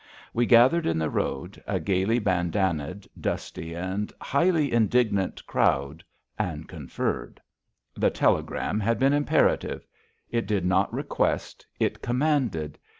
We gathered in the road, a gayly bandanaed, dusty, and highly indignant crowd, and conferred. The telegram had been imperative. It did not request. It commanded.